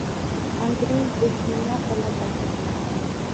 انګریز د کیمیا په لټه کې دی.